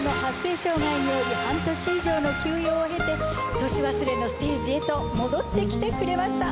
障害による半年以上の休養を経て「年忘れ」のステージへと戻ってきてくれました。